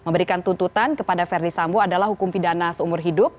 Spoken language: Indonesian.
yang diberikan tuntutan kepada ferdisabu adalah hukum pidana seumur hidup